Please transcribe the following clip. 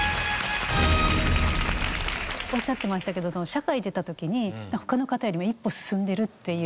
おっしゃってましたけど社会に出た時に他の方よりも一歩進んでるっていう。